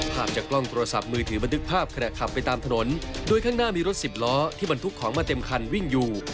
ภาพจากกล้องโทรศัพท์มือถือบันทึกภาพขณะขับไปตามถนนโดยข้างหน้ามีรถสิบล้อที่บรรทุกของมาเต็มคันวิ่งอยู่